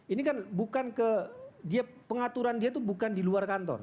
ini kan bukan ke dia pengaturan dia itu bukan di luar kantor